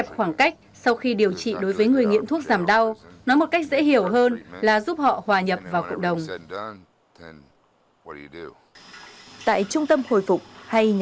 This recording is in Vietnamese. vốn bắt đầu từ một loại thuốc bán theo đơn thuốc giảm đau có chất gây nghiện opioid đã gây nên đại dịch nghiện ở nước này